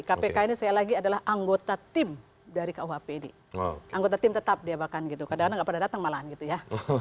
kpk ini sekali lagi adalah anggota tim dari rkuhp ini anggota tim tetap dia bahkan gitu kadang kadang nggak pernah datang malahan gitu ya